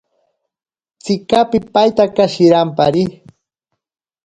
Tsika pipaitaka shirampari.